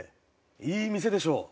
いい店でしょ？